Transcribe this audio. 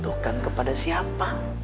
jatuhkan kepada siapa